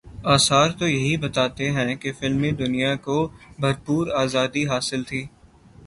آثار تو یہی بتاتے ہیں کہ فلمی دنیا کو بھرپور آزادی حاصل تھی۔